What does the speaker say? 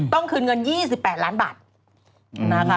ต้องคืนเงิน๒๘ล้านบาท